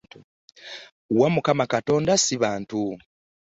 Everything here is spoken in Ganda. Wa Mukama Katonda si bantu.